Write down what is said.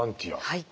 はい。